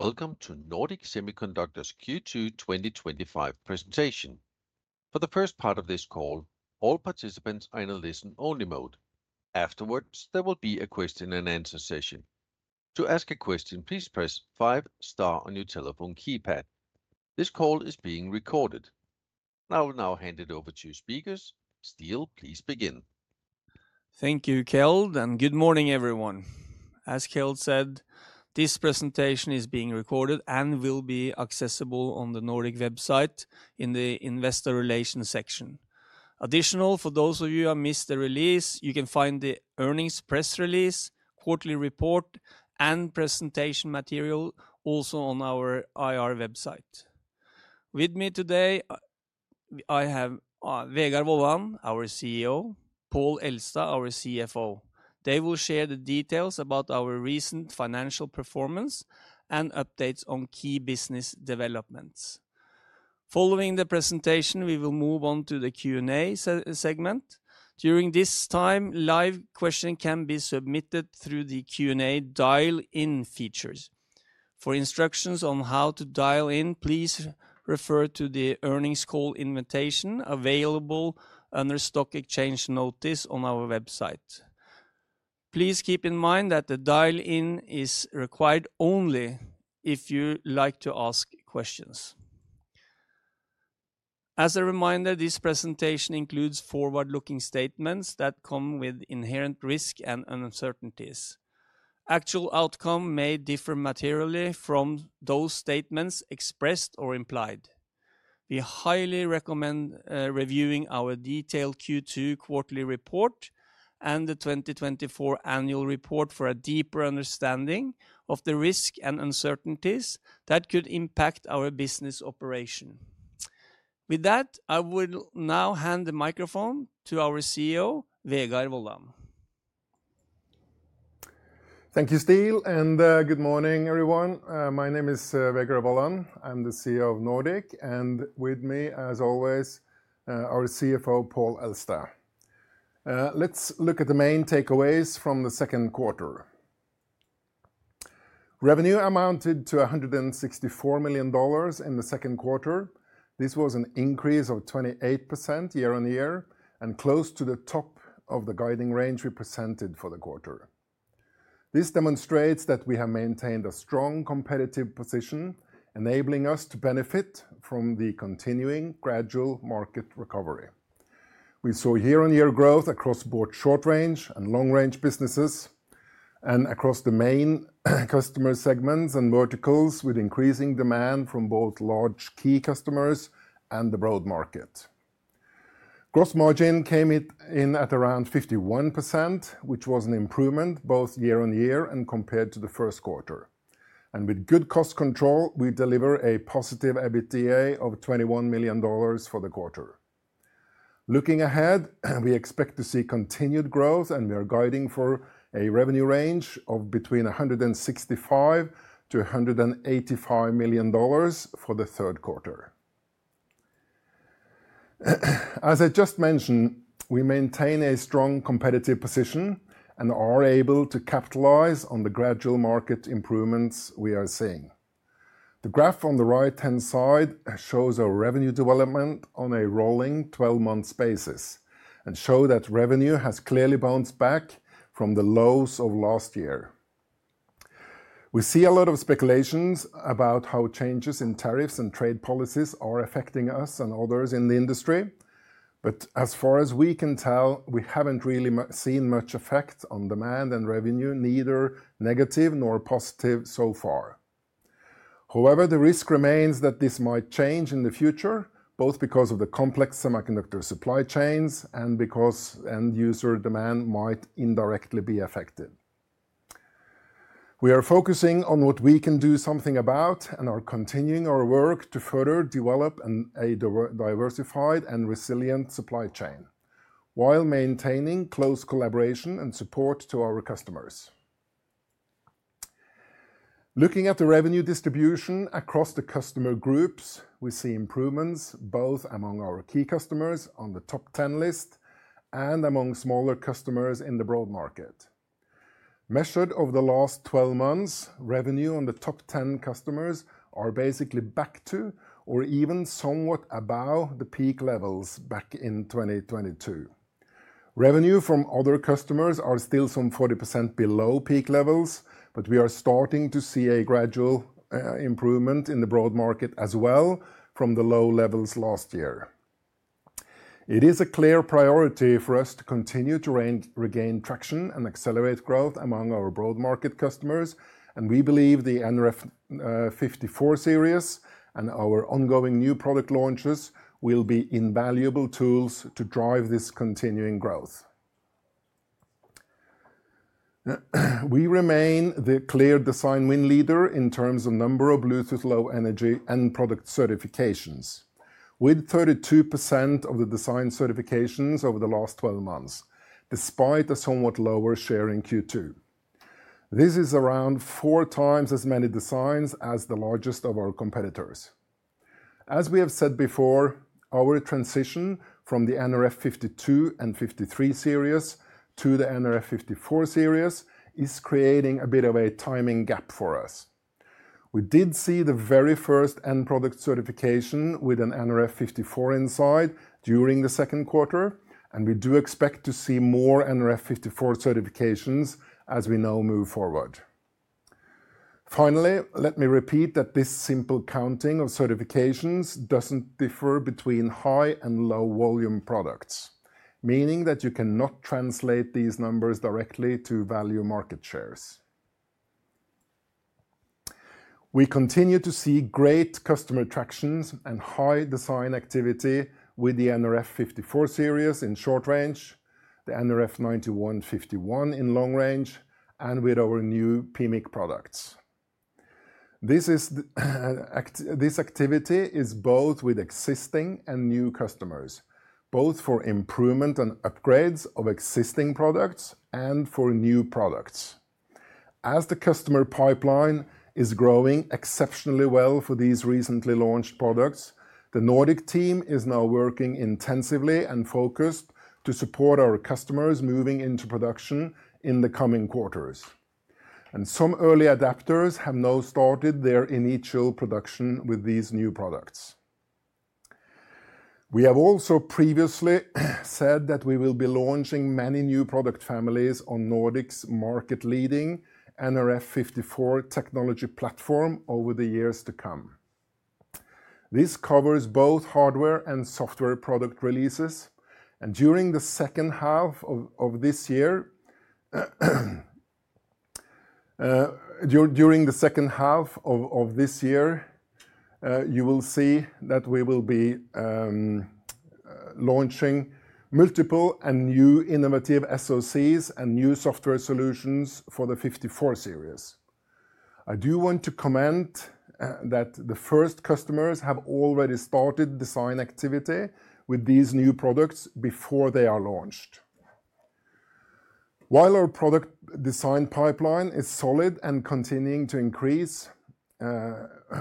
Welcome to Nordic Semiconductor's Q2 2025 presentation. For the first part of this call, all participants are in a listen-only mode. Afterwards, there will be a question-and-answer session. To ask a question, please press five star on your telephone keypad. This call is being recorded. I will now hand it over to speakers. Ståle, please begin. Thank you, Kjeld, and good morning, everyone. As Kjeld said, this presentation is being recorded and will be accessible on the Nordic Semiconductor website in the Investor Relations section. Additionally, for those of you who have missed the release, you can find the earnings press release, quarterly report, and presentation material also on our IR website. With me today, I have Vegard Wollan, our CEO, and Pål Elstad, our CFO. They will share the details about our recent financial performance and updates on key business developments. Following the presentation, we will move on to the Q&A segment. During this time, live questions can be submitted through the Q&A dial-in feature. For instructions on how to dial in, please refer to the earnings call invitation available under the Stock Exchange notice on our website. Please keep in mind that the dial-in is required only if you would like to ask questions. As a reminder, this presentation includes forward-looking statements that come with inherent risks and uncertainties. Actual outcomes may differ materially from those statements expressed or implied. We highly recommend reviewing our detailed Q2 quarterly report and the 2024 annual report for a deeper understanding of the risks and uncertainties that could impact our business operation. With that, I will now hand the microphone to our CEO, Vegard Wollan. Thank you, Ståle, and good morning, everyone. My name is Vegard Wollan. I'm the CEO of Nordic Semiconductor, and with me, as always, our CFO, Pål Elstad. Let's look at the main takeaways from the second quarter. Revenue amounted to $164 million in the second quarter. This was an increase of 28% year-on-year and close to the top of the guiding range we presented for the quarter. This demonstrates that we have maintained a strong competitive position, enabling us to benefit from the continuing gradual market recovery. We saw year-on-year growth across both short-range and long-range businesses and across the main customer segments and verticals, with increasing demand from both large key customers and the broad market. Gross margin came in at around 51%, which was an improvement both year-on-year and compared to the first quarter. With good cost control, we delivered a positive EBITDA of $21 million for the quarter. Looking ahead, we expect to see continued growth, and we are guiding for a revenue range of between $165 million-$185 million for the third quarter. As I just mentioned, we maintain a strong competitive position and are able to capitalize on the gradual market improvements we are seeing. The graph on the right-hand side shows our revenue development on a rolling 12-month basis and shows that revenue has clearly bounced back from the lows of last year. We see a lot of speculation about how changes in tariffs and trade policies are affecting us and others in the industry. As far as we can tell, we haven't really seen much effect on demand and revenue, neither negative nor positive so far. However, the risk remains that this might change in the future, both because of the complex semiconductor supply chains and because end-user demand might indirectly be affected. We are focusing on what we can do something about and are continuing our work to further develop a diversified and resilient supply chain while maintaining close collaboration and support to our customers. Looking at the revenue distribution across the customer groups, we see improvements both among our key customers on the top 10 list and among smaller customers in the broad market. Measured over the last 12 months, revenue on the top 10 customers is basically back to or even somewhat above the peak levels back in 2022. Revenue from other customers is still some 40% below peak levels, but we are starting to see a gradual improvement in the broad market as well from the low levels last year. It is a clear priority for us to continue to regain traction and accelerate growth among our broad market customers, and we believe the nRF54 Series and our ongoing new product launches will be invaluable tools to drive this continuing growth. We remain the clear design win leader in terms of the number of Bluetooth Low Energy and product certifications, with 32% of the design certifications over the last 12 months, despite a somewhat lower share in Q2. This is around four times as many designs as the largest of our competitors. As we have said before, our transition from the nRF52 Series and nRF53 Series to the nRF54 Series is creating a bit of a timing gap for us. We did see the very first end product certification with an nRF54 inside during the second quarter, and we do expect to see more nRF54 certifications as we now move forward. Finally, let me repeat that this simple counting of certifications doesn't differ between high and low volume products, meaning that you cannot translate these numbers directly to value market shares. We continue to see great customer traction and high design activity with the nRF54 Series in short-range, the nRF9151 in long-range, and with our new PMIC products. This activity is both with existing and new customers, both for improvement and upgrades of existing products and for new products. As the customer pipeline is growing exceptionally well for these recently launched products, the Nordic team is now working intensively and focused to support our customers moving into production in the coming quarters. Some early adopters have now started their initial production with these new products. We have also previously said that we will be launching many new product families on Nordic's market-leading nRF54 technology platform over the years to come. This covers both hardware and software product releases. During the second half of this year, you will see that we will be launching multiple and new innovative SoCs and new software solutions for the nRF54 Series. I do want to comment that the first customers have already started design activity with these new products before they are launched. While our product design pipeline is solid and continuing to increase,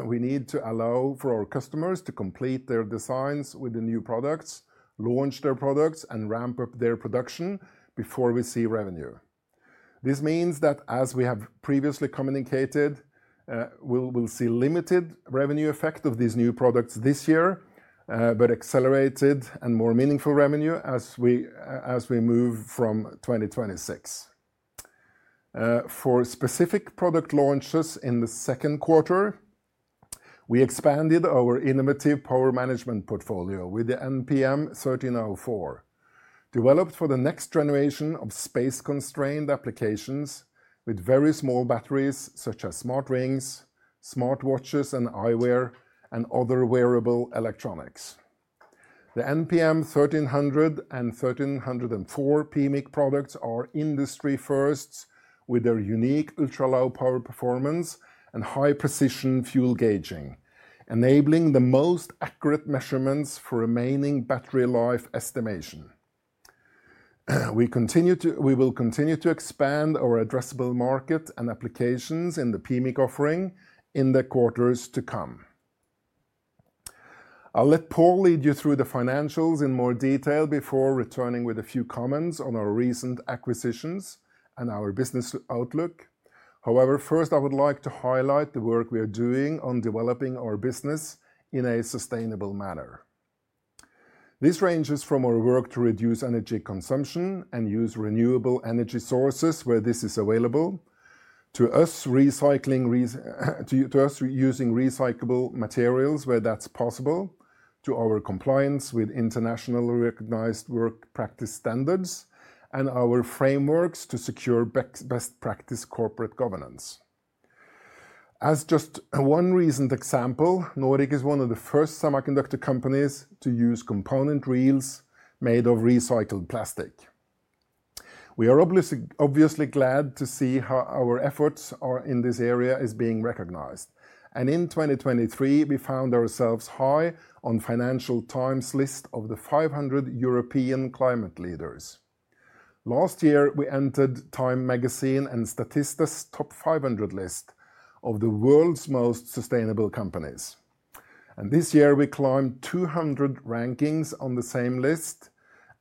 we need to allow for our customers to complete their designs with the new products, launch their products, and ramp up their production before we see revenue. This means that, as we have previously communicated, we'll see limited revenue effect of these new products this year, but accelerated and more meaningful revenue as we move from 2026. For specific product launches in the second quarter, we expanded our innovative power management portfolio with the NPM1304, developed for the next generation of space-constrained applications with very small batteries such as smart rings, smartwatches, and eyewear, and other wearable electronics. The NPM1300 and NPM1304 PMIC products are industry firsts with their unique ultra-low power performance and high-precision fuel gauging, enabling the most accurate measurements for remaining battery life estimation. We will continue to expand our addressable market and applications in the PMIC offering in the quarters to come. I'll let Pål lead you through the financials in more detail before returning with a few comments on our recent acquisitions and our business outlook. However, first, I would like to highlight the work we are doing on developing our business in a sustainable manner. This ranges from our work to reduce energy consumption and use renewable energy sources where this is available, to us using recyclable materials where that's possible, to our compliance with internationally recognized work practice standards, and our frameworks to secure best practice corporate governance. As just one recent example, Nordic Semiconductor is one of the first semiconductor companies to use component reels made of recycled plastic. We are obviously glad to see how our efforts in this area are being recognized. In 2023, we found ourselves high on Financial Times' list of the 500 European climate leaders. Last year, we entered Time Magazine and Statista's top 500 list of the world's most sustainable companies. This year, we climbed 200 rankings on the same list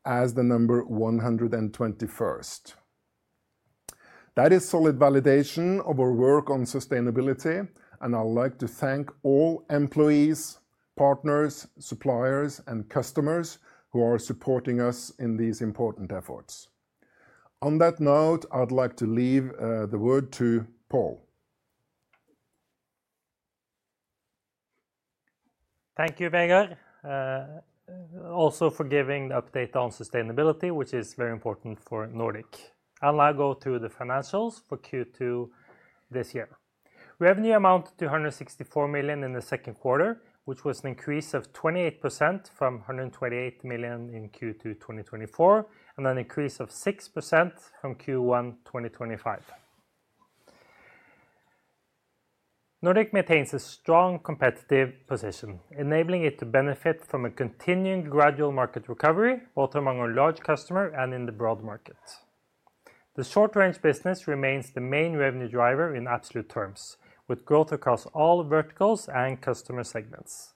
as the number 121st. That is solid validation of our work on sustainability. I'd like to thank all employees, partners, suppliers, and customers who are supporting us in these important efforts. On that note, I'd like to leave the word to Pål. Thank you, Vegard, also for giving the update on sustainability, which is very important for Nordic Semiconductor. I'll now go through the financials for Q2 this year. Revenue amounted to $164 million in the second quarter, which was an increase of 28% from $128 million in Q2 2024, and an increase of 6% from Q1 2025. Nordic Semiconductor maintains a strong competitive position, enabling it to benefit from a continued gradual market recovery, both among our large customers and in the broad market. The short-range business remains the main revenue driver in absolute terms, with growth across all verticals and customer segments.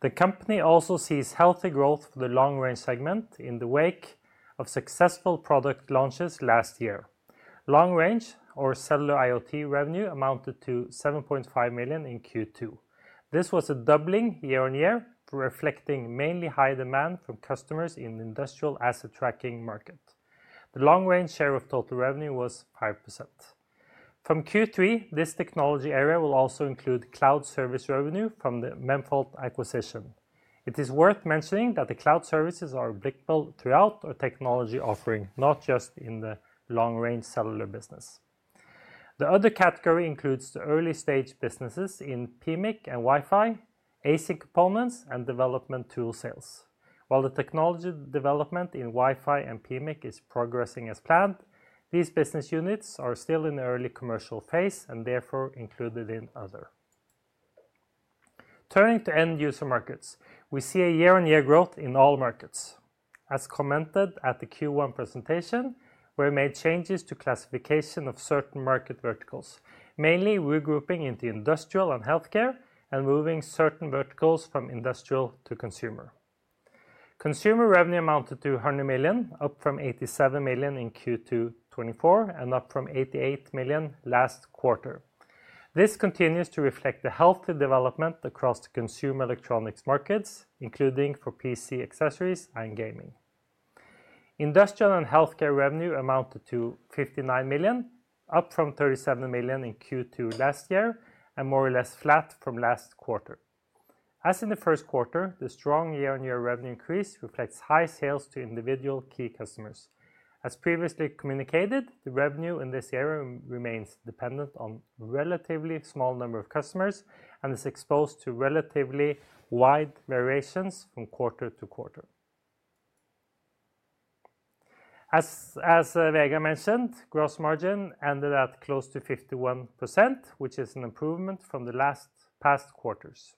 The company also sees healthy growth for the long-range segment in the wake of successful product launches last year. Long-range, or cellular IoT, revenue amounted to $7.5 million in Q2. This was a doubling year-on-year, reflecting mainly high demand from customers in the industrial asset tracking market. The long-range share of total revenue was 5%. From Q3, this technology area will also include cloud service revenue from the Memfault acquisition. It is worth mentioning that the cloud services are applicable throughout our technology offering, not just in the long-range cellular business. The other category includes the early-stage businesses in PMIC and Wi-Fi, AC components, and development tool sales. While the technology development in Wi-Fi and PMIC is progressing as planned, these business units are still in the early commercial phase and therefore included in other. Turning to end-user markets, we see a year-on-year growth in all markets. As commented at the Q1 presentation, we made changes to the classification of certain market verticals, mainly regrouping into industrial and healthcare and moving certain verticals from industrial to consumer. Consumer revenue amounted to $100 million, up from $87 million in Q2 2024, and up from $88 million last quarter. This continues to reflect the healthy development across the consumer electronics markets, including for PC accessories and gaming. Industrial and healthcare revenue amounted to $59 million, up from $37 million in Q2 last year, and more or less flat from last quarter. As in the first quarter, the strong year-on-year revenue increase reflects high sales to individual key customers. As previously communicated, the revenue in this area remains dependent on a relatively small number of customers and is exposed to relatively wide variations from quarter to quarter. As Vegard mentioned, gross margin ended at close to 51%, which is an improvement from the past quarters.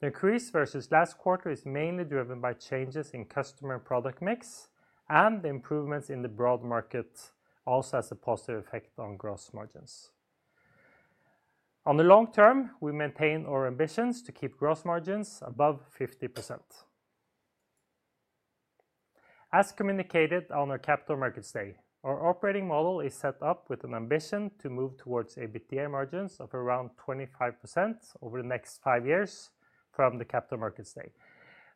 The increase versus last quarter is mainly driven by changes in customer product mix and improvements in the broad market, also as a positive effect on gross margins. On the long term, we maintain our ambitions to keep gross margins above 50%. As communicated on our Capital Markets Day, our operating model is set up with an ambition to move towards EBITDA margins of around 25% over the next five years from the Capital Markets Day.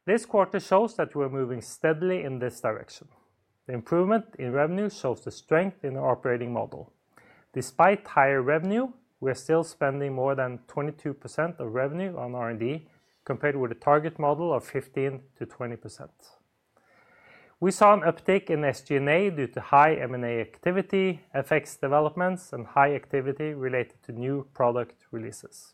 This quarter shows that we're moving steadily in this direction. The improvement in revenue shows the strength in our operating model. Despite higher revenue, we are still spending more than 22% of revenue on R&D compared with the target model of 15%-20%. We saw an uptick in SG&A due to high M&A activity, FX developments, and high activity related to new product releases.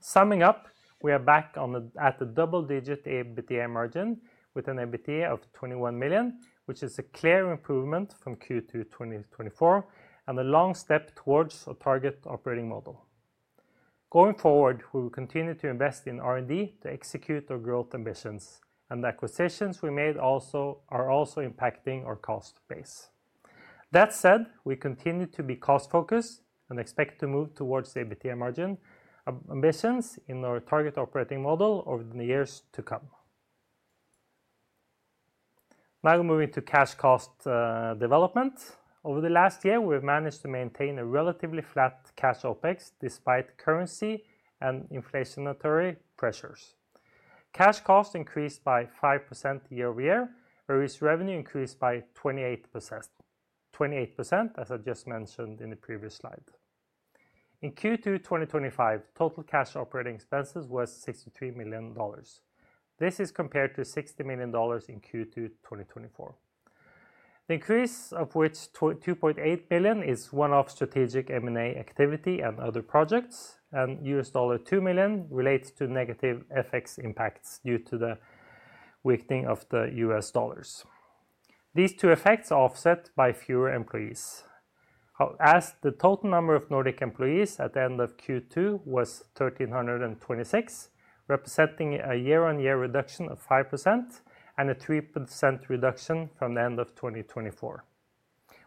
Summing up, we are back at the double-digit EBITDA margin with an EBITDA of $21 million, which is a clear improvement from Q2 2024 and a long step towards our target operating model. Going forward, we will continue to invest in R&D to execute our growth ambitions, and the acquisitions we made are also impacting our cost base. That said, we continue to be cost-focused and expect to move towards EBITDA margin ambitions in our target operating model over the years to come. Now moving to cash cost development. Over the last year, we've managed to maintain a relatively flat cash OpEx despite currency and inflationary pressures. Cash cost increased by 5% year-over-year, whereas revenue increased by 28%, as I just mentioned in the previous slide. In Q2 2025, total cash operating expenses were $63 million. This is compared to $60 million in Q2 2024. The increase of which $2.8 million is one of strategic M&A activity and other projects, and $2 million relates to negative FX impacts due to the weakening of the U.S. dollars. These two effects are offset by fewer employees. As the total number of Nordic employees at the end of Q2 was 1,326, representing a year-on-year reduction of 5% and a 3% reduction from the end of 2024,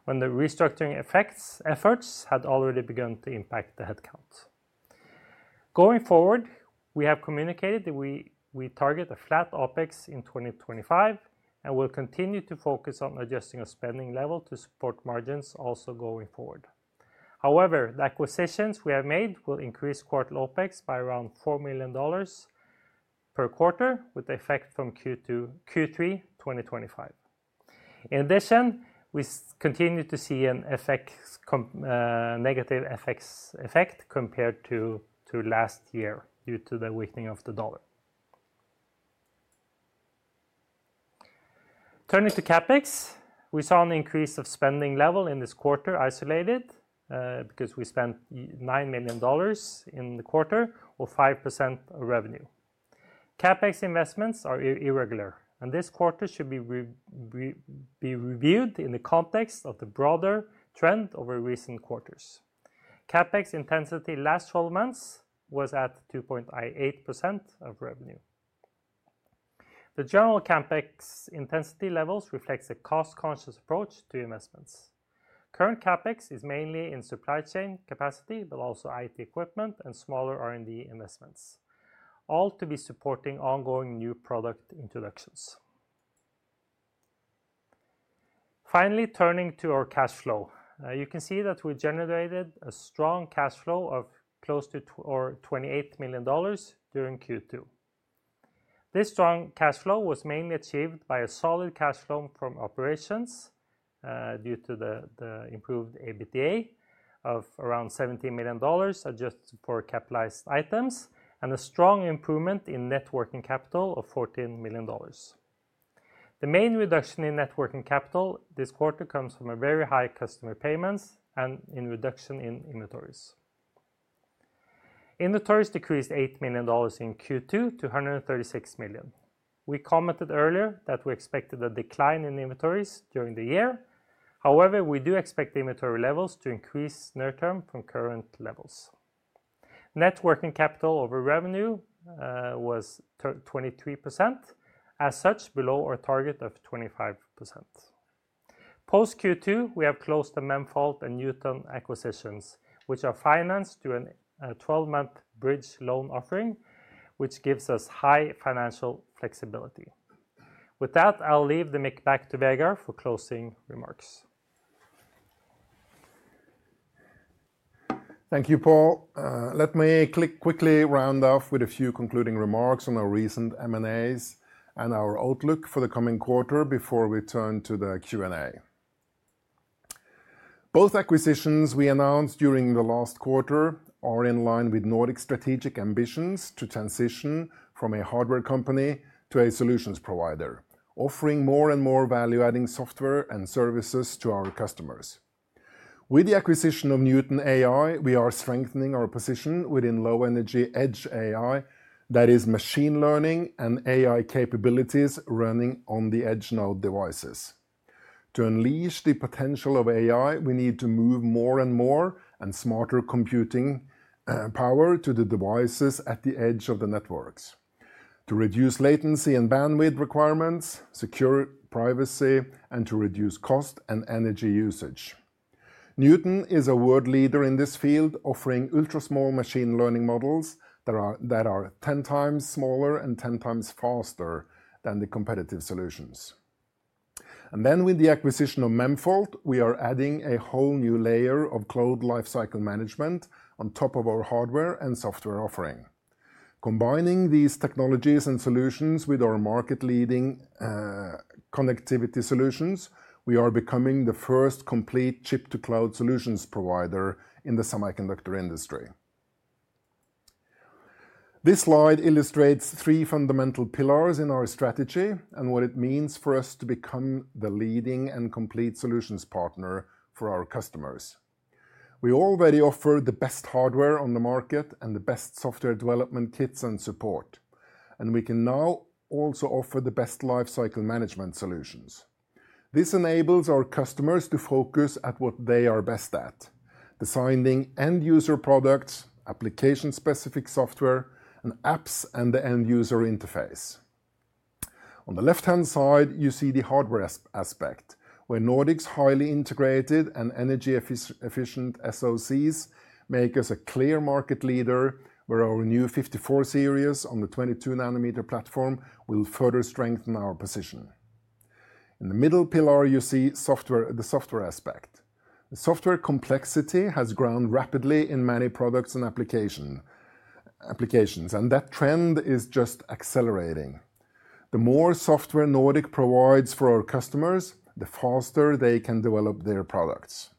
when the restructuring efforts had already begun to impact the headcount. Going forward, we have communicated that we target a flat OpEx in 2025 and will continue to focus on adjusting our spending level to support margins also going forward. However, the acquisitions we have made will increase quarterly OpEx by around $4 million per quarter, with the effect from Q3 2025. In addition, we continue to see a negative FX effect compared to last year due to the weakening of the dollar. Turning to CapEx, we saw an increase of spending level in this quarter isolated because we spent $9 million in the quarter or 5% of revenue. CapEx investments are irregular, and this quarter should be reviewed in the context of the broader trend over recent quarters. CapEx intensity last 12 months was at 2.8% of revenue. The general CapEx intensity levels reflect a cost-conscious approach to investments. Current CapEx is mainly in supply chain capacity, but also IT equipment and smaller R&D investments, all to be supporting ongoing new product introductions. Finally, turning to our cash flow, you can see that we generated a strong cash flow of close to $28 million during Q2. This strong cash flow was mainly achieved by a solid cash flow from operations due to the improved EBITDA of around $17 million adjusted for capitalized items and a strong improvement in networking capital of $14 million. The main reduction in networking capital this quarter comes from very high customer payments and a reduction in inventories. Inventories decreased $8 million in Q2 to $136 million. We commented earlier that we expected a decline in inventories during the year. However, we do expect inventory levels to increase near-term from current levels. Networking capital over revenue was 23%, as such below our target of 25%. Post-Q2, we have closed the Memfault and Neuton AI acquisitions, which are financed through a 12-month bridge loan offering, which gives us high financial flexibility. With that, I'll leave the mic back to Vegard for closing remarks. Thank you, Pål. Let me quickly round off with a few concluding remarks on our recent M&As and our outlook for the coming quarter before we turn to the Q&A. Both acquisitions we announced during the last quarter are in line with Nordic Semiconductor's strategic ambitions to transition from a hardware company to a solutions provider, offering more and more value-adding software and services to our customers. With the acquisition of Neuton AI, we are strengthening our position within low-energy edge AI, that is machine learning and AI capabilities running on the edge node devices. To unleash the potential of AI, we need to move more and more and smarter computing power to the devices at the edge of the networks to reduce latency and bandwidth requirements, secure privacy, and to reduce cost and energy usage. Neuton AI is a world leader in this field, offering ultra-small machine learning models that are 10 times smaller and 10 times faster than the competitive solutions. With the acquisition of Memfault, we are adding a whole new layer of cloud lifecycle management on top of our hardware and software offering. Combining these technologies and solutions with our market-leading connectivity solutions, we are becoming the first complete chip-to-cloud solutions provider in the semiconductor industry. This slide illustrates three fundamental pillars in our strategy and what it means for us to become the leading and complete solutions partner for our customers. We already offer the best hardware on the market and the best software development kits and support, and we can now also offer the best lifecycle management solutions. This enables our customers to focus at what they are best at: designing end-user products, application-specific software, and apps and the end-user interface. On the left-hand side, you see the hardware aspect, where Nordic Semiconductor's highly integrated and energy-efficient SoCs make us a clear market leader, where our new nRF54 Series on the 22-nanometer platform will further strengthen our position. In the middle pillar, you see the software aspect. The software complexity has grown rapidly in many products and applications, and that trend is just accelerating. The more software Nordic Semiconductor provides for our customers, the faster they can develop their products.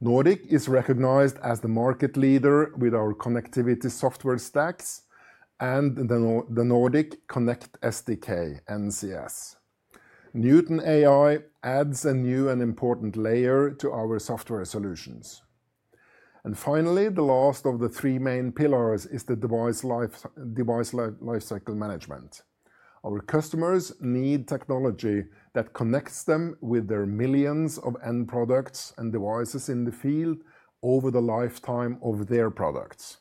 Nordic Semiconductor is recognized as the market leader with our connectivity software stacks and the nRF Connect SDK (NCS). Neuton AI adds a new and important layer to our software solutions. Finally, the last of the three main pillars is the device lifecycle management. Our customers need technology that connects them with their millions of end products and devices in the field over the lifetime of their products.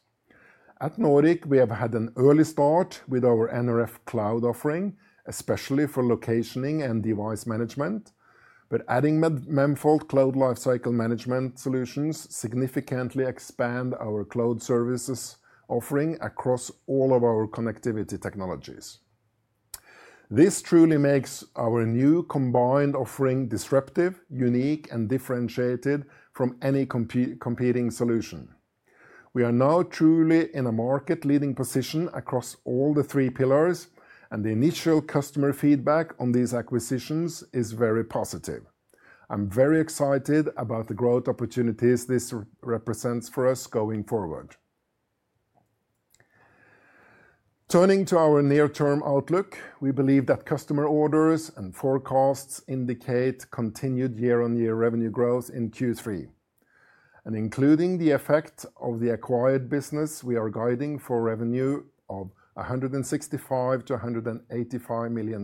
At Nordic, we have had an early start with our nRF Cloud offering, especially for locationing and device management. Adding Memfault cloud lifecycle management solutions significantly expands our cloud services offering across all of our connectivity technologies. This truly makes our new combined offering disruptive, unique, and differentiated from any competing solution. We are now truly in a market-leading position across all the three pillars, and the initial customer feedback on these acquisitions is very positive. I'm very excited about the growth opportunities this represents for us going forward. Turning to our near-term outlook, we believe that customer orders and forecasts indicate continued year-on-year revenue growth in Q3, and including the effect of the acquired business, we are guiding for revenue of $165 million-$185 million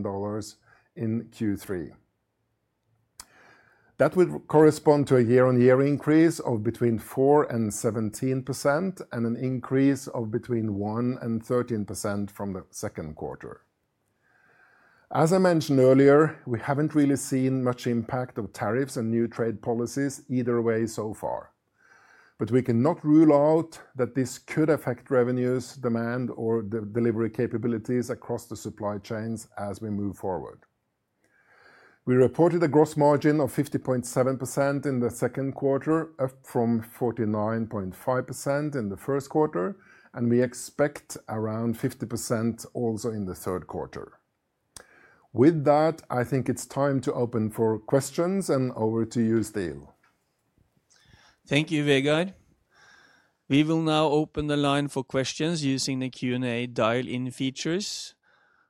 in Q3. That would correspond to a year-on-year increase of between 4% and 17% and an increase of between 1% and 13% from the second quarter. As I mentioned earlier, we haven't really seen much impact of tariffs and new trade policies either way so far, but we cannot rule out that this could affect revenues, demand, or the delivery capabilities across the supply chains as we move forward. We reported a gross margin of 50.7% in the second quarter, up from 49.5% in the first quarter, and we expect around 50% also in the third quarter. With that, I think it's time to open for questions and over to you, Ståle. Thank you, Vegard. We will now open the line for questions using the Q&A dial-in features.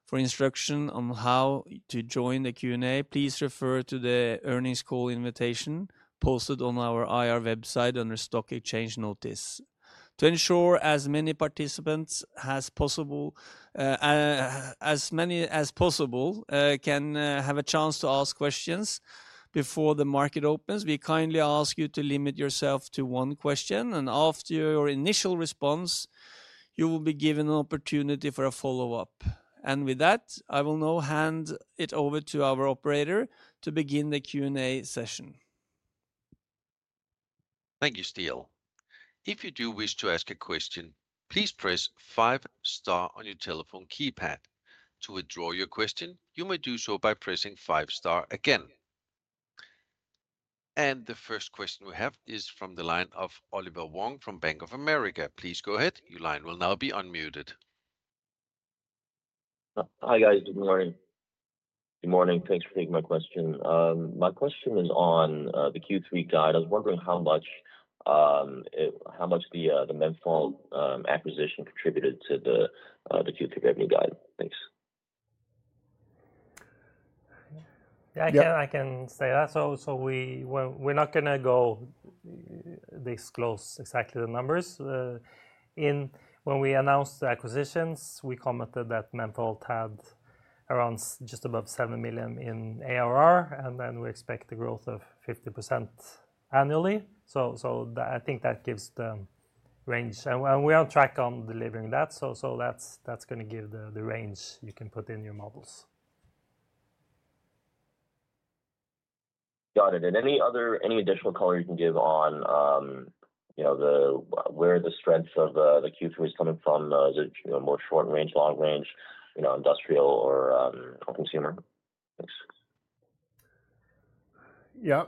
For instruction on how to join the Q&A, please refer to the earnings call invitation posted on our IR website under Stock Exchange Notice. To ensure as many participants as possible can have a chance to ask questions before the market opens, we kindly ask you to limit yourself to one question, and after your initial response, you will be given an opportunity for a follow-up. I will now hand it over to our operator to begin the Q&A session. Thank you, Ståle. If you do wish to ask a question, please press five star on your telephone keypad. To withdraw your question, you may do so by pressing five star again. The first question we have is from the line of Oliver Wong from Bank of America. Please go ahead. Your line will now be unmuted. Hi, guys. Good morning. Good morning. Thanks for taking my question. My question is on the Q3 guide. I was wondering how much the Memfault acquisition contributed to the Q3 revenue guide. Thanks. I can say that. We're not going to disclose exactly the numbers. When we announced the acquisitions, we commented that Memfault had just above $7 million in ARR, and we expect a growth of 50% annually. I think that gives the range, and we are on track on delivering that. That's going to give the range you can put in your models. Got it. Any additional color you can give on where the strengths of the Q3 is coming from? Is it more short-range, long range, industrial, or consumer? Yeah,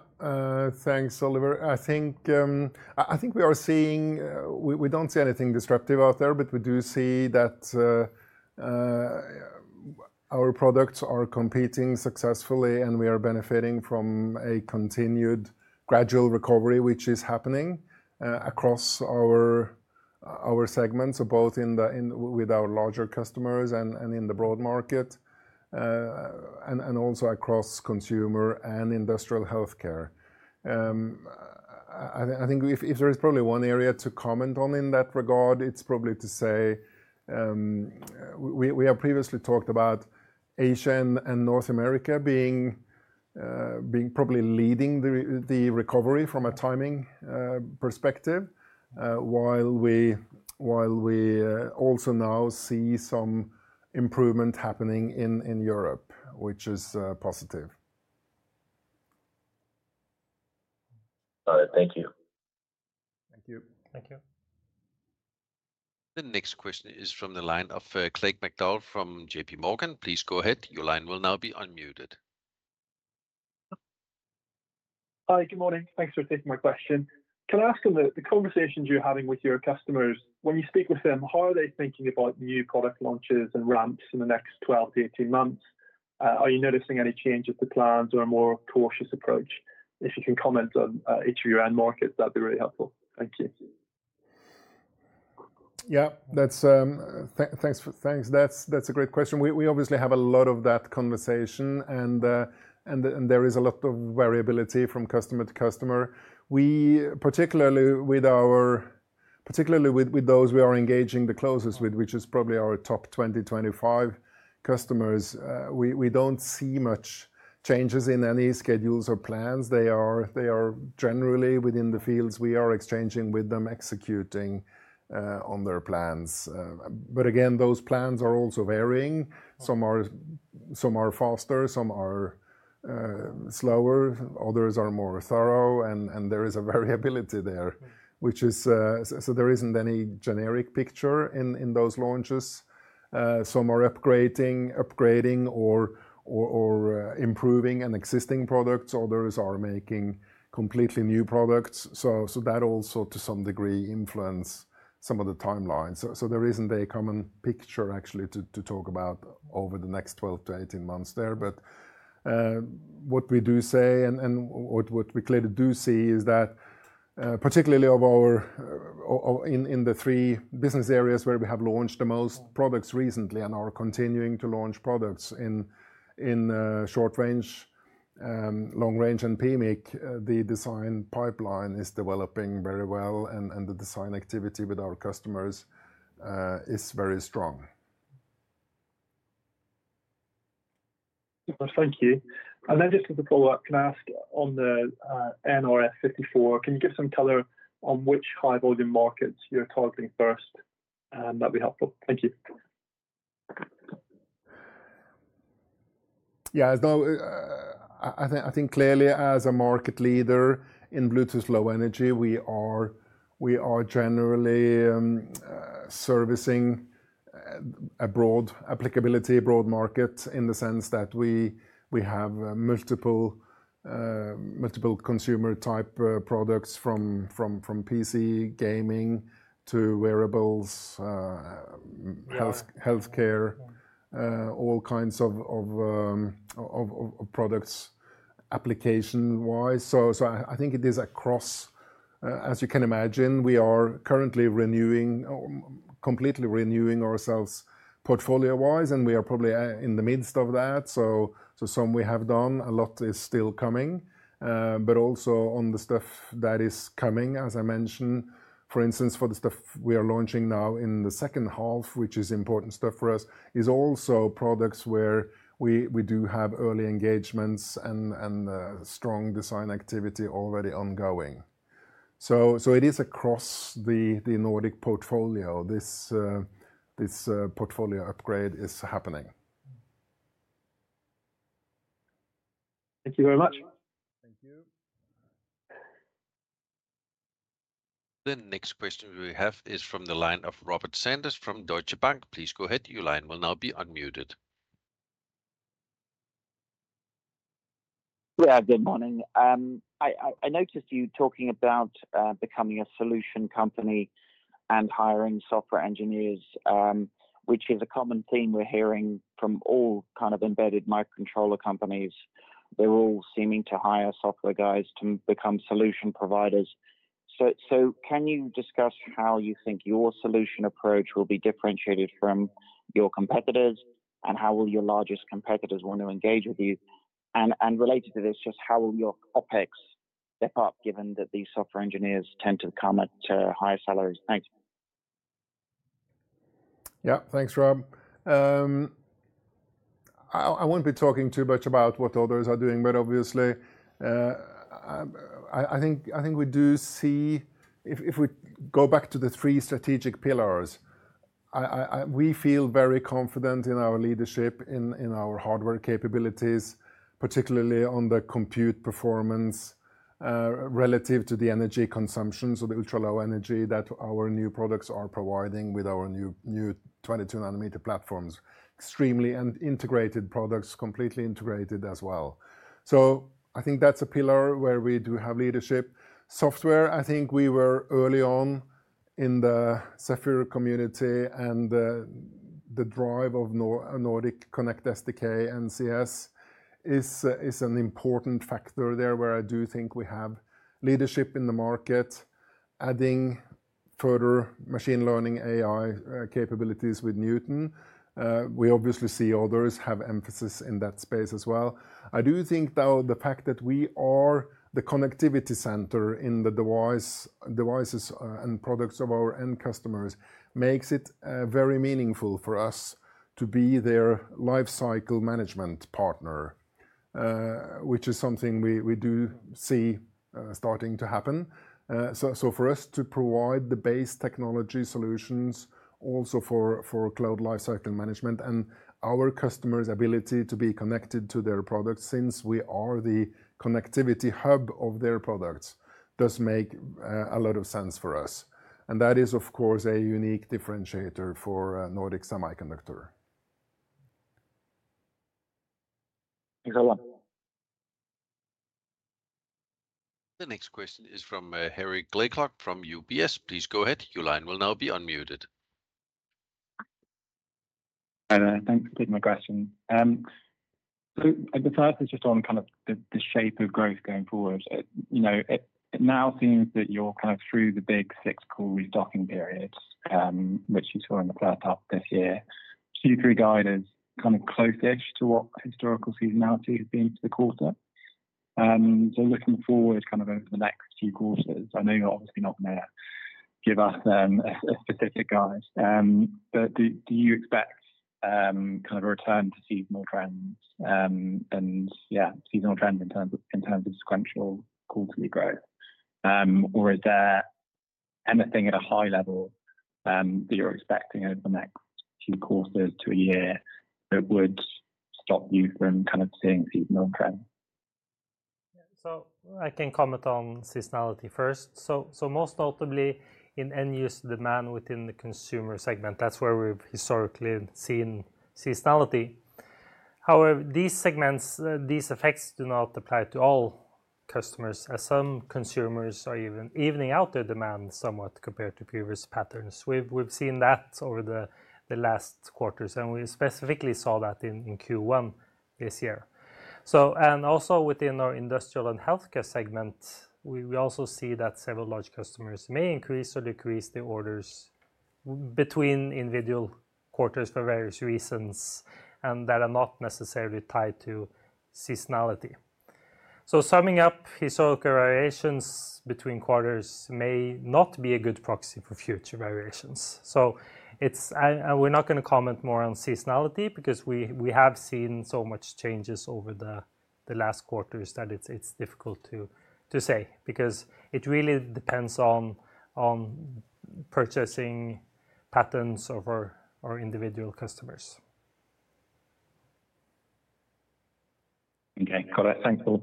thanks, Oliver. I think we are seeing, we don't see anything disruptive out there, but we do see that our products are competing successfully, and we are benefiting from a continued gradual recovery, which is happening across our segments, both with our larger customers and in the broad market, and also across consumer and industrial healthcare. I think if there is probably one area to comment on in that regard, it's probably to say we have previously talked about Asia and North America being probably leading the recovery from a timing perspective, while we also now see some improvement happening in Europe, which is positive. Got it. Thank you. Thank you. Thank you. The next question is from the line of Craig McDowell from JPMorgan. Please go ahead. Your line will now be unmuted. Hi, good morning. Thanks for taking my question. Can I ask in the conversations you're having with your customers, when you speak with them, how are they thinking about new product launches and ramps in the next 12-18 months? Are you noticing any changes to plans or a more cautious approach? If you can comment on each of your end markets, that'd be really helpful. Thank you. Yeah, thanks. That's a great question. We obviously have a lot of that conversation, and there is a lot of variability from customer to customer. Particularly with those we are engaging the closest with, which is probably our top 2025 customers, we don't see much changes in any schedules or plans. They are generally within the fields we are exchanging with them, executing on their plans. Those plans are also varying. Some are faster, some are slower, others are more thorough, and there is a variability there. There isn't any generic picture in those launches. Some are upgrading or improving an existing product. Others are making completely new products. That also, to some degree, influences some of the timelines. There isn't a very common picture, actually, to talk about over the next 12-18 months there. What we do say and what we clearly do see is that particularly in the three business areas where we have launched the most products recently and are continuing to launch products in short-range, long-range, and PMIC, the design pipeline is developing very well, and the design activity with our customers is very strong. Thank you. As a follow-up, can I ask on the nRF54 Series, can you give some color on which high-volume markets you're targeting first? That'd be helpful. Thank you. Yeah, I think clearly, as a market leader in Bluetooth Low Energy, we are generally servicing a broad applicability, a broad market in the sense that we have multiple consumer-type products from PC, gaming, to wearables, healthcare, all kinds of products application-wise. I think it is across. As you can imagine, we are currently completely renewing ourselves portfolio-wise, and we are probably in the midst of that. Some we have done, a lot is still coming. Also, on the stuff that is coming, as I mentioned, for instance, for the stuff we are launching now in the second half, which is important stuff for us, is also products where we do have early engagements and strong design activity already ongoing. It is across the Nordic Semiconductor portfolio. This portfolio upgrade is happening. Thank you very much. Thank you. The next question we have is from the line of Robert Sanders from Deutsche Bank. Please go ahead. Your line will now be unmuted. Yeah, good morning. I noticed you talking about becoming a solution company and hiring software engineers, which is a common theme we're hearing from all kinds of embedded microcontroller companies. They're all seeming to hire software guys to become solution providers. Can you discuss how you think your solution approach will be differentiated from your competitors, and how will your largest competitors want to engage with you? Related to this, just how will your OpEx step up given that these software engineers tend to come at higher salaries? Thanks. Yeah, thanks, Rob. I won't be talking too much about what others are doing, but obviously, I think we do see, if we go back to the three strategic pillars, we feel very confident in our leadership in our hardware capabilities, particularly on the compute performance relative to the energy consumption, so the ultra-low energy that our new products are providing with our new 22-nanometer platforms, extremely integrated products, completely integrated as well. I think that's a pillar where we do have leadership. Software, I think we were early on in the Zephyr community, and the drive of nRF Connect SDK NCS is an important factor there where I do think we have leadership in the market, adding further machine learning AI capabilities with Neuton. We obviously see others have emphasis in that space as well. I do think, though, the fact that we are the connectivity center in the devices and products of our end customers makes it very meaningful for us to be their lifecycle management partner, which is something we do see starting to happen. For us to provide the base technology solutions also for cloud lifecycle management and our customers' ability to be connected to their products, since we are the connectivity hub of their products, does make a lot of sense for us. That is, of course, a unique differentiator for Nordic Semiconductor. Thanks a lot. The next question is from Harry Blaiklock from UBS. Please go ahead. Your line will now be unmuted. Thanks for taking my question. I'd be focusing just on kind of the shape of growth going forward. It now seems that you're kind of through the big six quarters docking periods, which you saw in the first half of this year. Q3 guidance is kind of close to the edge of what historical seasonality has been for the quarter. Looking forward over the next few quarters, I know you're obviously not going to give us a specific guide, but do you expect kind of a return to seasonal trends, and, yeah, seasonal trends in terms of sequential quarterly growth? Is there anything at a high level that you're expecting over the next few quarters to a year that would stop you from seeing seasonal trends? Yeah, so I can comment on seasonality first. Most notably in end-use demand within the consumer segment, that's where we've historically seen seasonality. However, these effects do not apply to all customers, as some consumers are evening out their demand somewhat compared to previous patterns. We've seen that over the last quarters, and we specifically saw that in Q1 this year. Also, within our industrial and healthcare segment, we see that several large customers may increase or decrease their orders between individual quarters for various reasons that are not necessarily tied to seasonality. Summing up, historical variations between quarters may not be a good proxy for future variations. We're not going to comment more on seasonality because we have seen so much change over the last quarters that it's difficult to say because it really depends on purchasing patterns of our individual customers. Okay, got it. Thanks, Pål.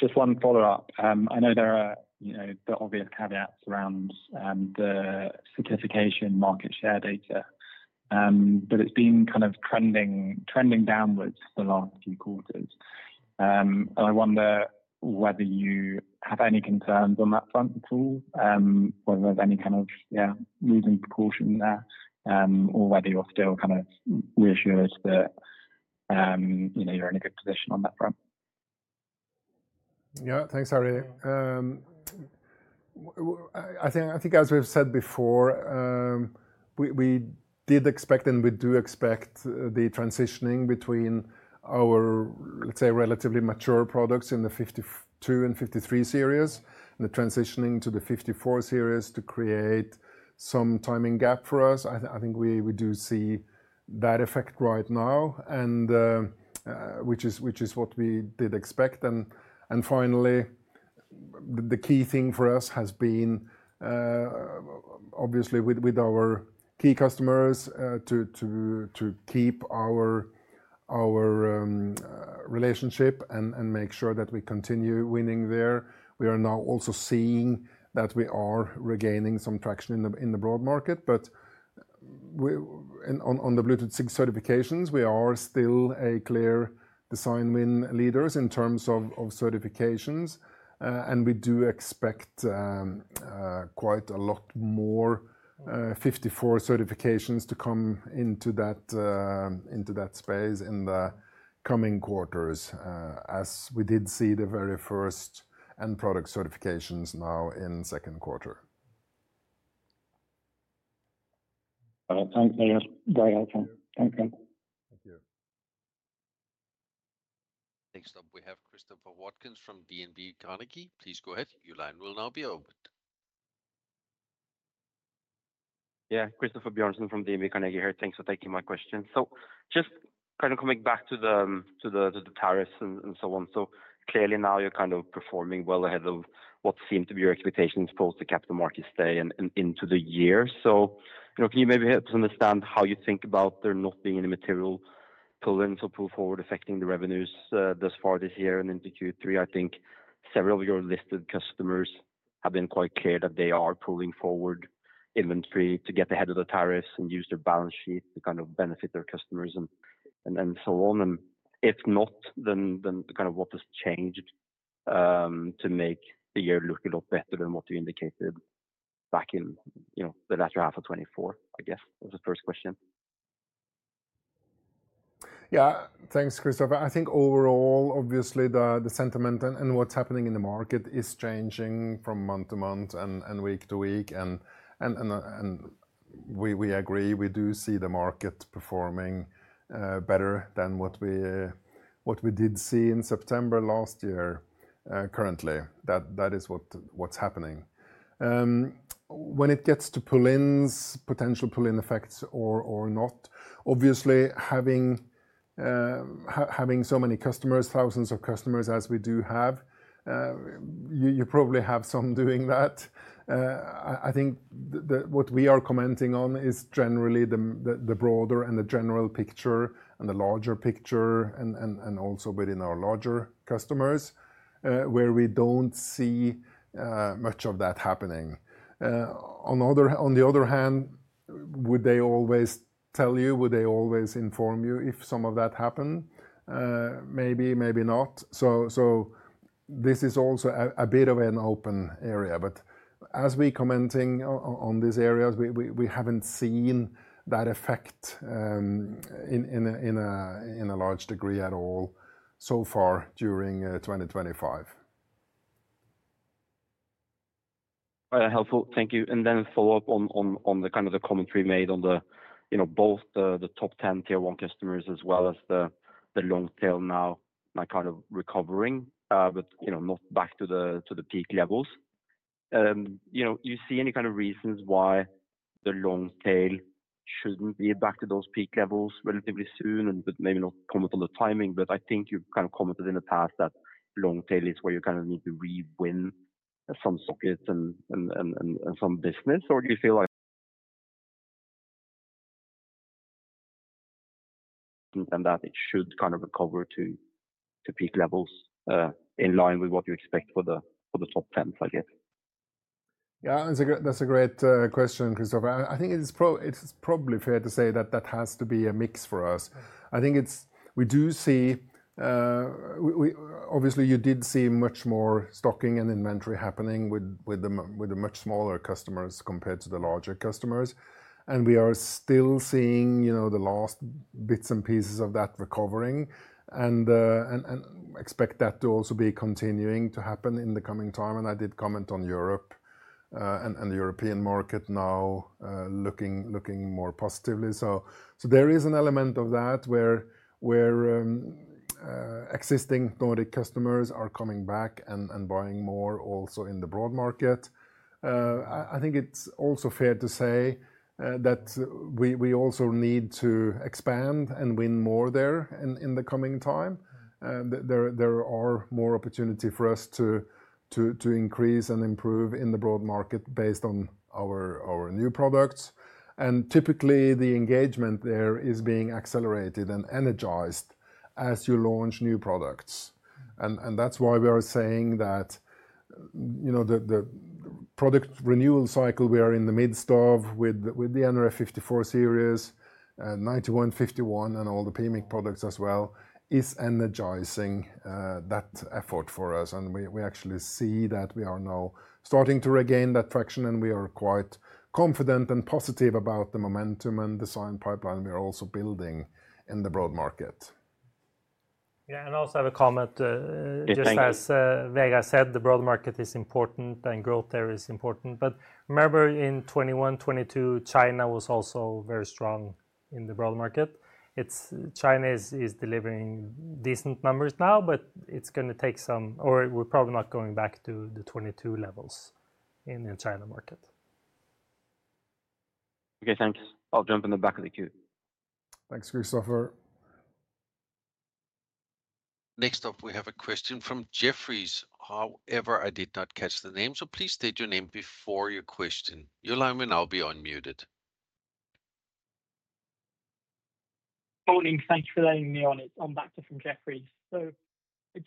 Just one follow-up. I know there are the obvious caveats around the certification market share data, but it's been kind of trending downwards the last few quarters. I wonder whether you have any concerns on that front at all, whether there's any kind of moving precaution there, or whether you're still kind of reassured that you're in a good position on that front. Yeah, thanks, Harry. I think, as we've said before, we did expect and we do expect the transitioning between our, let's say, relatively mature products in the nRF52 Series and nRF53 Series and the transitioning to the nRF54 Series to create some timing gap for us. I think we do see that effect right now, which is what we did expect. The key thing for us has been, obviously, with our key customers to keep our relationship and make sure that we continue winning there. We are now also seeing that we are regaining some traction in the broad market. On the Bluetooth certifications, we are still a clear design win leader in terms of certifications, and we do expect quite a lot more nRF54 Series certifications to come into that space in the coming quarters, as we did see the very first end product certifications now in the second quarter. Got it. Thanks, Vegard. Very helpful. Thank you. Thank you. Next up, we have Christoffer Bjørnsen from DNB Carnegie. Please go ahead. Your line will now be opened. Yeah, Christoffer Bjørnsen from DNB Carnegie here. Thanks for taking my question. Just kind of coming back to the tariffs and so on. Clearly, now you're kind of performing well ahead of what seemed to be your expectations post the Capital Markets Day and into the year. Can you maybe help us understand how you think about there not being any material pull-ins or pull-forwards affecting the revenues thus far this year and into Q3? I think several of your listed customers have been quite clear that they are pulling forward inventory to get ahead of the tariffs and use their balance sheets to kind of benefit their customers and so on. If not, then kind of what has changed to make the year look a lot better than what you indicated back in the latter half of 2024, I guess, was the first question. Yeah, thanks, Christoffer. I think overall, obviously, the sentiment and what's happening in the market is changing from month to month and week to week. We agree, we do see the market performing better than what we did see in September last year. Currently, that is what's happening. When it gets to pull-ins, potential pull-in effects or not, obviously, having so many customers, thousands of customers as we do have, you probably have some doing that. I think what we are commenting on is generally the broader and the general picture and the larger picture and also within our larger customers where we don't see much of that happening. On the other hand, would they always tell you? Would they always inform you if some of that happened? Maybe, maybe not. This is also a bit of an open area. As we're commenting on these areas, we haven't seen that effect in a large degree at all so far during 2025. All right, that's helpful. Thank you. A follow-up on the commentary made on both the top 10 tier one customers as well as the long tail now recovering, but not back to the peak levels. Do you see any reasons why the long tail shouldn't be back to those peak levels relatively soon and maybe not comment on the timing? I think you've commented in the past that long tail is where you need to rewind some sockets and some business, or do you feel like it should recover to peak levels in line with what you expect for the top 10s, I guess? Yeah, that's a great question, Christoffer. I think it's probably fair to say that that has to be a mix for us. I think we do see, obviously, you did see much more stocking and inventory happening with the much smaller customers compared to the larger customers. We are still seeing the last bits and pieces of that recovering and expect that to also be continuing to happen in the coming time. I did comment on Europe and the European market now looking more positively. There is an element of that where existing Nordic Semiconductor customers are coming back and buying more also in the broad market. I think it's also fair to say that we also need to expand and win more there in the coming time. There are more opportunities for us to increase and improve in the broad market based on our new products. Typically, the engagement there is being accelerated and energized as you launch new products. That's why we are saying that the product renewal cycle we are in the midst of with the nRF54 Series and nRF9151 and all the PMIC products as well is energizing that effort for us. We actually see that we are now starting to regain that traction and we are quite confident and positive about the momentum and the design pipeline we are also building in the broad market. Yeah, I'll also have a comment. Just as Vegard said, the broad market is important and growth there is important. Remember in 2021 and 2022, China was also very strong in the broad market. China is delivering decent numbers now, but it's going to take some time, or we're probably not going back to the 2022 levels in the China market. Okay, thanks. I'll jump in the back of the queue. Thanks, Christoffer. Next up, we have a question from Jefferies. However, I did not catch the name, so please state your name before your question. Your line will now be unmuted. Morning. Thanks for letting me on. I'm back just from Jefferies. I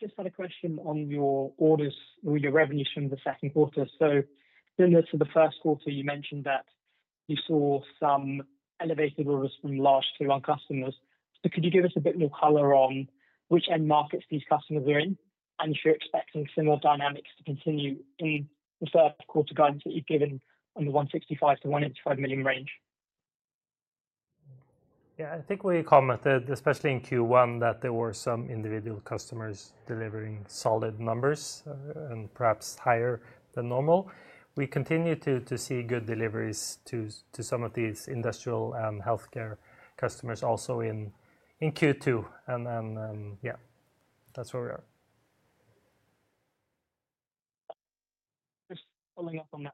just had a question on your orders or your revenues from the second quarter. Similar to the first quarter, you mentioned that you saw some elevated orders from large tier one customers. Could you give us a bit more color on which end markets these customers are in? Are you expecting similar dynamics to continue in the first quarter guidance that you've given on the $165 million-$185 million range? I think we commented, especially in Q1, that there were some individual customers delivering solid numbers and perhaps higher than normal. We continue to see good deliveries to some of these industrial and healthcare customers also in Q2. That's where we are. Just following up on that.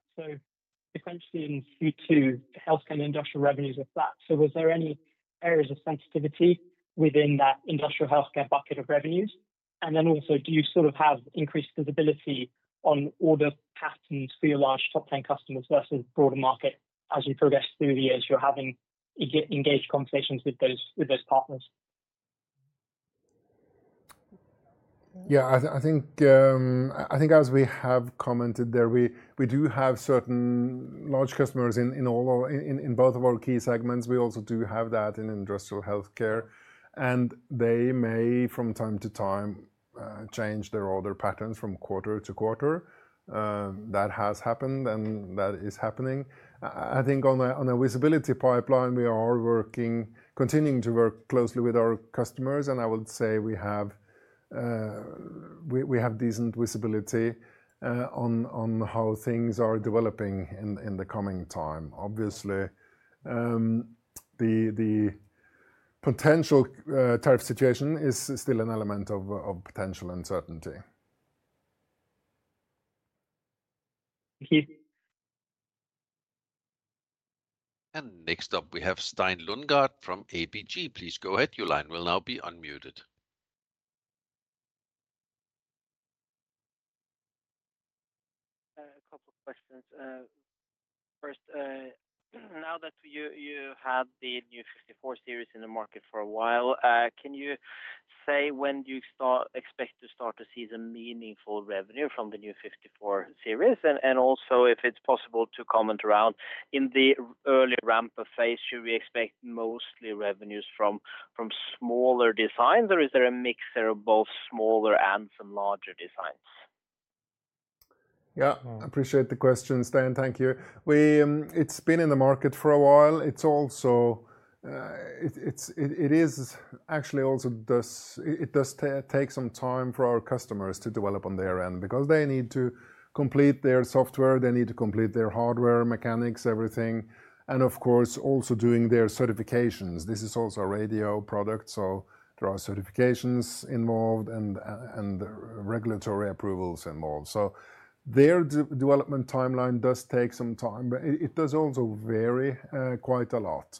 In Q2, the healthcare and industrial revenues are flat. Was there any areas of sensitivity within that industrial healthcare bucket of revenues? Do you sort of have increased visibility on order patterns for your large top 10 customers versus broader market as you progress through the years you're having engaged conversations with those partners? Yeah, I think as we have commented there, we do have certain large customers in both of our key segments. We also do have that in industrial healthcare, and they may, from time to time, change their order patterns from quarter to quarter. That has happened and that is happening. I think on a visibility pipeline, we are continuing to work closely with our customers. I would say we have decent visibility on how things are developing in the coming time. Obviously, the potential tariff situation is still an element of potential uncertainty. Thank you. Next up, we have Øystein Lodgaard from ABG Sundal Collier. Please go ahead. Your line will now be unmuted. A couple of questions. First, now that you've had the new nRF54 Series in the market for a while, can you say when do you expect to start to see some meaningful revenue from the new nRF54 Series? Also, if it's possible to comment around in the early ramp-up phase, should we expect mostly revenues from smaller designs, or is there a mixture of both smaller and some larger designs? Yeah, I appreciate the question, Øystein. Thank you. It's been in the market for a while. It actually also does take some time for our customers to develop on their end because they need to complete their software, they need to complete their hardware, mechanics, everything, and of course, also doing their certifications. This is also a radio product, so there are certifications involved and regulatory approvals involved. Their development timeline does take some time, but it does also vary quite a lot.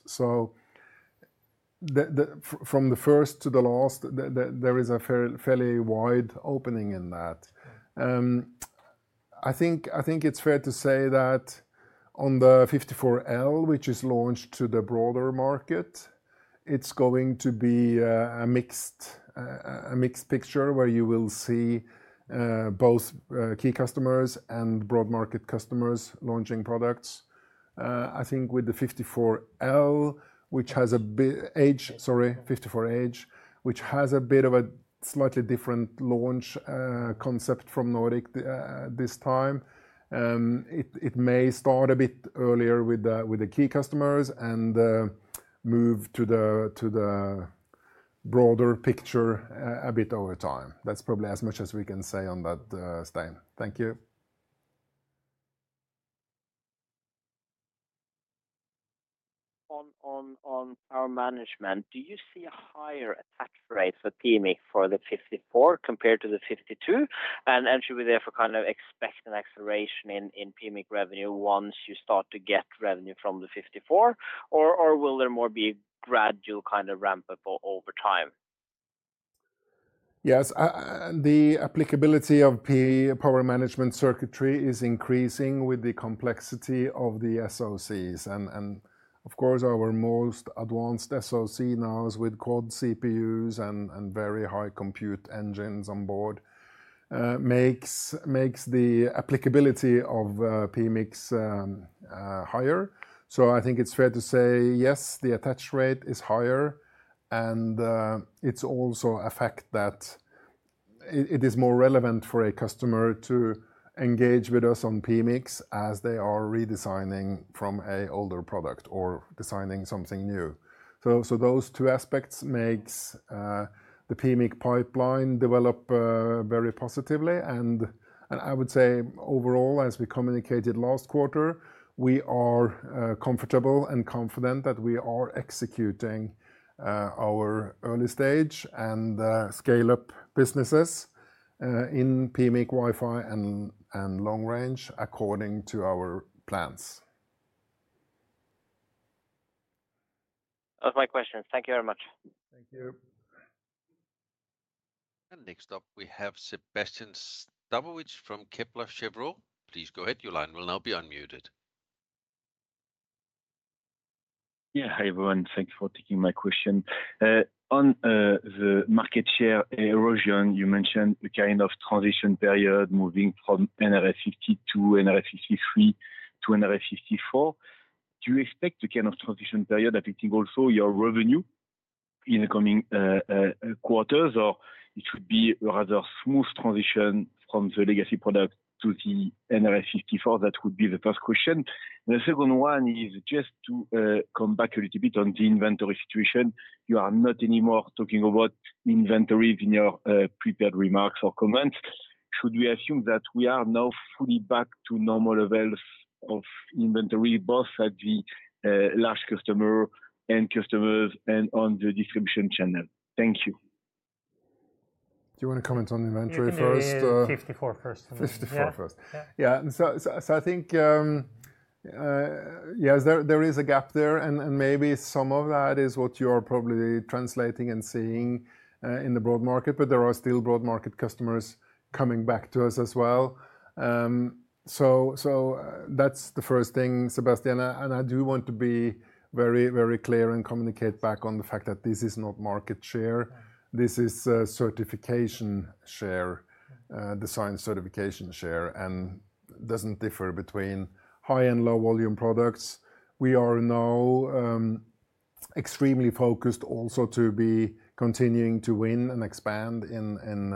From the first to the last, there is a fairly wide opening in that. I think it's fair to say that on the nRF54L, which is launched to the broader market, it's going to be a mixed picture where you will see both key customers and broad market customers launching products. I think with the nRF54H, which has a slightly different launch concept from Nordic Semiconductor this time, it may start a bit earlier with the key customers and move to the broader picture a bit over time. That's probably as much as we can say on that, Øystein. Thank you. On our management, do you see a higher attach rate for PMIC for the nRF54 Series compared to the nRF52 Series? Should we therefore kind of expect an acceleration in PMIC revenue once you start to get revenue from the nRF54 Series, or will there more be a gradual kind of ramp-up over time? Yes, the applicability of PMIC, power management circuitry, is increasing with the complexity of the SoCs. Of course, our most advanced SoC now is with quad CPUs and very high compute engines on board, which makes the applicability of PMICs higher. I think it's fair to say, yes, the attach rate is higher, and it also affects that it is more relevant for a customer to engage with us on PMICs as they are redesigning from an older product or designing something new. Those two aspects make the PMIC pipeline develop very positively. I would say overall, as we communicated last quarter, we are comfortable and confident that we are executing our early stage and scale-up businesses in PMIC, Wi-Fi, and long range according to our plans. That was my question. Thank you very much. Thank you. Next up, we have Sébastien Sztabowicz from Kepler Cheuvreux. Please go ahead. Your line will now be unmuted. Yeah, hi everyone. Thanks for taking my question. On the market share erosion, you mentioned a kind of transition period moving from nRF52 Series to nRF53 Series to nRF54 Series. Do you expect a kind of transition period affecting also your revenue in the coming quarters, or it would be a rather smooth transition from the legacy product to the nRF54 Series? That would be the first question. The second one is just to come back a little bit on the inventory situation. You are not anymore talking about inventory in your prepared remarks or comments. Should we assume that we are now fully back to normal levels of inventory, both at the large customer and customers and on the distribution channel? Thank you. Do you want to comment on inventory first? nRF54 first. nRF54 first. I think there is a gap there, and maybe some of that is what you are probably translating and seeing in the broad market, but there are still broad market customers coming back to us as well. That's the first thing, Sébastien. I do want to be very, very clear and communicate back on the fact that this is not market share. This is certification share, design certification share, and doesn't differ between high and low volume products. We are now extremely focused also to be continuing to win and expand in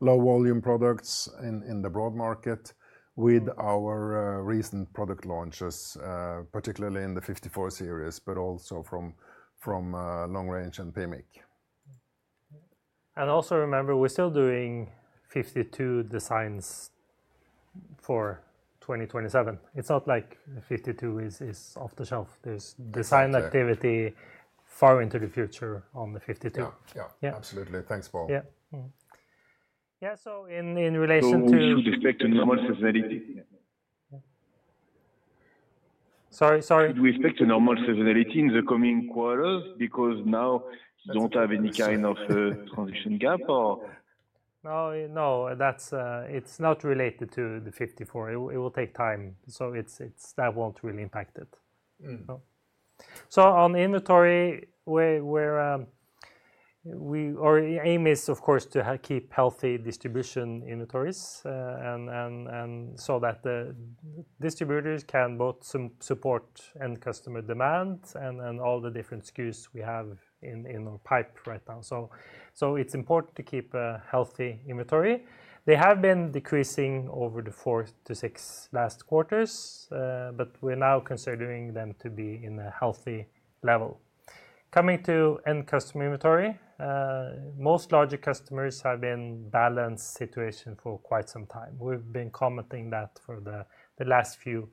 low volume products in the broad market with our recent product launches, particularly in the nRF54 Series, but also from long range and PMIC. Remember, we're still doing 52 designs for 2027. It's not like 52 is off the shelf. There's design activity far into the future on the 52. Yeah, absolutely. Thanks, Pål. So, in relation to. Do you expect a normal severity? Sorry, sorry. Do we expect a normal severity in the coming quarters because now you don't have any kind of transition gap or... No, no, it's not related to the nRF54 Series. It will take time. That won't really impact it. On inventory, our aim is, of course, to keep healthy distribution inventories so that the distributors can both support end customer demand and all the different SKUs we have in our pipe right now. It's important to keep a healthy inventory. They have been decreasing over the last 4-6 quarters, but we're now considering them to be at a healthy level. Coming to end customer inventory, most larger customers have been in a balanced situation for quite some time. We've been commenting on that for the last few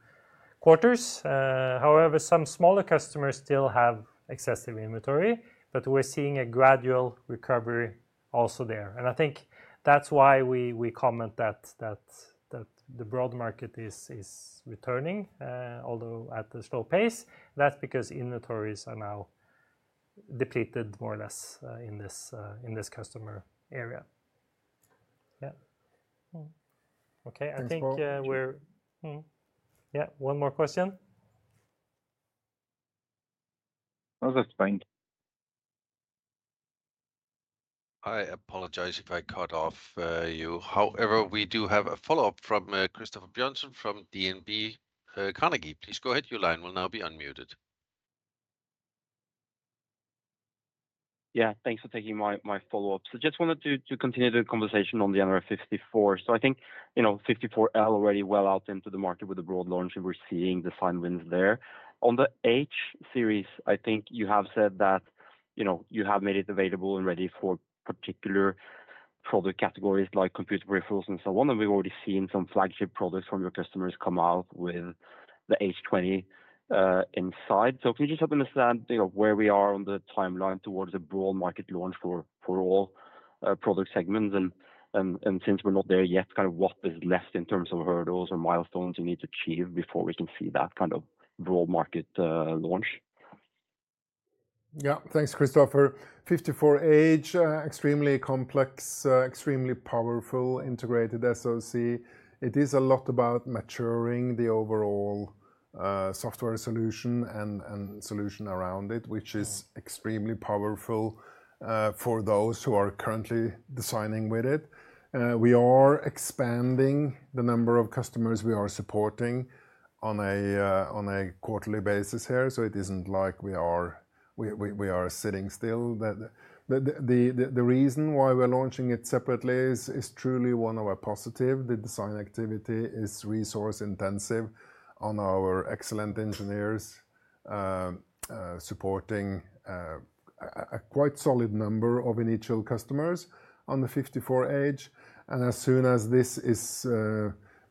quarters. However, some smaller customers still have excessive inventory, but we're seeing a gradual recovery also there. I think that's why we comment that the broad market is returning, although at a slow pace. That's because inventories are now depleted more or less in this customer area. Yeah. Okay, I think we're... Yeah, one more question. Oh, that's fine. I apologize if I cut off you. However, we do have a follow-up from Christoffer Bjørnsen from DNB Carnegie. Please go ahead. Your line will now be unmuted. Yeah, thanks for taking my follow-up. I just wanted to continue the conversation on the nRF54 Series. I think 54L is already well out into the market with the broad launch, and we're seeing design wins there. On the H series, I think you have said that you have made it available and ready for particular product categories like computer peripherals and so on. We've already seen some flagship products from your customers come out with the H20 inside. Can you just help them understand where we are on the timeline towards the broad market launch for all product segments? Since we're not there yet, what is left in terms of hurdles or milestones you need to achieve before we can see that kind of broad market launch? Yeah, thanks, Christoffer. nRF54H, extremely complex, extremely powerful integrated SoC. It is a lot about maturing the overall software solution and solution around it, which is extremely powerful for those who are currently designing with it. We are expanding the number of customers we are supporting on a quarterly basis here. It isn't like we are sitting still. The reason why we're launching it separately is truly one of our positives. The design activity is resource-intensive on our excellent engineers supporting a quite solid number of initial customers on the nRF54H. As soon as this is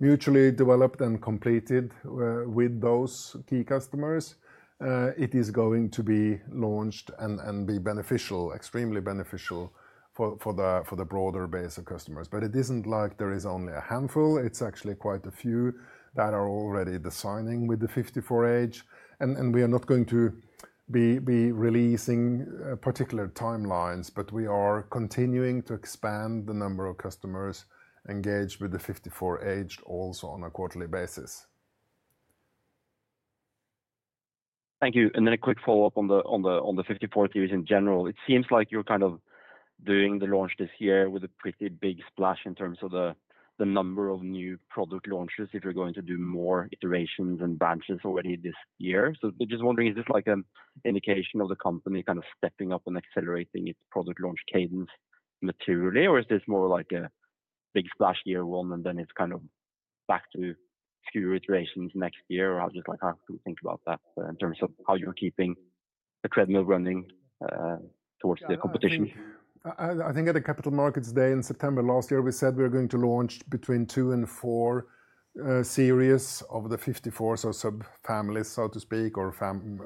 mutually developed and completed with those key customers, it is going to be launched and be beneficial, extremely beneficial for the broader base of customers. It isn't like there is only a handful. It's actually quite a few that are already designing with the nRF54H. We are not going to be releasing particular timelines, but we are continuing to expand the number of customers engaged with the nRF54H also on a quarterly basis. Thank you. A quick follow-up on the nRF54 Series in general. It seems like you're kind of doing the launch this year with a pretty big splash in terms of the number of new product launches if you're going to do more iterations and batches already this year. I'm just wondering, is this like an indication of the company kind of stepping up and accelerating its product launch cadence materially, or is this more like a big splash year one, and then it's kind of back to fewer iterations next year? I'll just have to think about that in terms of how you're keeping the treadmill running towards the competition. I think at the Capital Markets Day in September last year, we said we were going to launch between two and four series of the nRF54 Series, so sub-families, so to speak, or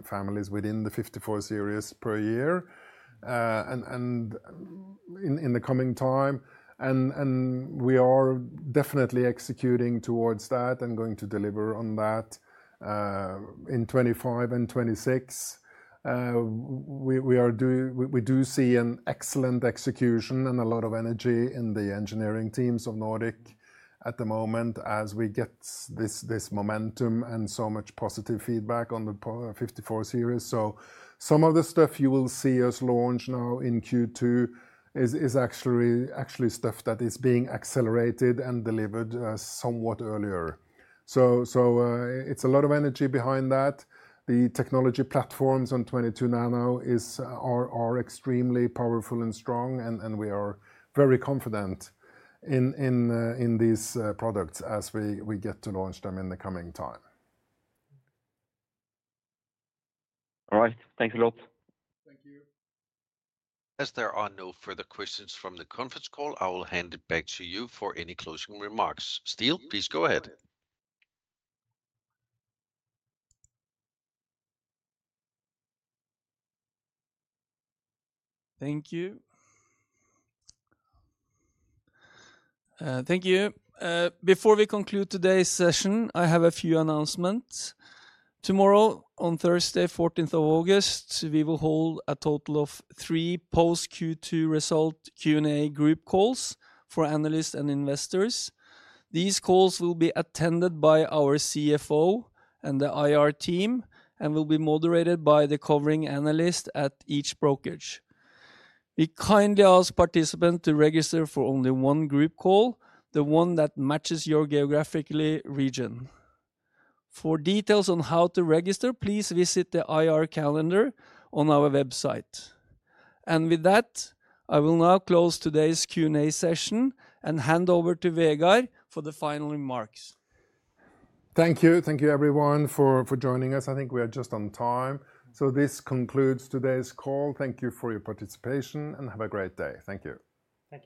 families within the nRF54 Series per year in the coming time. We are definitely executing towards that and going to deliver on that in 2025 and 2026. We do see an excellent execution and a lot of energy in the engineering teams of Nordic Semiconductor at the moment as we get this momentum and so much positive feedback on the nRF54 Series. Some of the stuff you will see us launch now in Q2 is actually stuff that is being accelerated and delivered somewhat earlier. There is a lot of energy behind that. The technology platforms on 22-nanometer are extremely powerful and strong, and we are very confident in these products as we get to launch them in the coming time. All right, thanks a lot. Thank you. As there are no further questions from the conference call, I will hand it back to you for any closing remarks. Still, please go ahead. Thank you. Thank you. Before we conclude today's session, I have a few announcements. Tomorrow, on Thursday, August 14th, we will hold a total of three post-Q2 result Q&A group calls for analysts and investors. These calls will be attended by our CFO and the IR team and will be moderated by the covering analyst at each brokerage. We kindly ask participants to register for only one group call, the one that matches your geographic region. For details on how to register, please visit the IR calendar on our website. I will now close today's Q&A session and hand over to Vegard for the final remarks. Thank you. Thank you, everyone, for joining us. I think we are just on time. This concludes today's call. Thank you for your participation and have a great day. Thank you. Thanks.